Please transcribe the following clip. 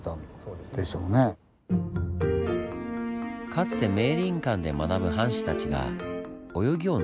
かつて明倫館で学ぶ藩士たちが泳ぎを習ったプール。